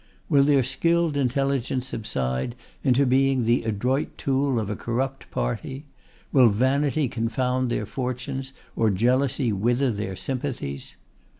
Will their skilled intelligence subside into being the adroit tool of a corrupt party? Will Vanity confound their fortunes, or Jealousy wither their sympathies?